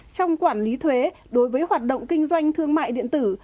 trong quản lý thuế đối với hoạt động kinh doanh thương mại điện tử